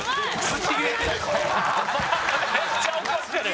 めっちゃ怒ってる。